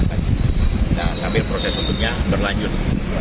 nah sambil proses hukumnya berlanjut